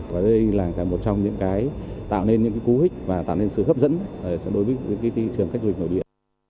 và đây là một trong những cái tạo nên những cú hích và tạo nên sự hấp dẫn đối với thị trường khách du lịch nội địa